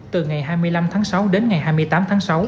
từ ngày hai mươi năm tháng sáu đến ngày hai mươi tám tháng sáu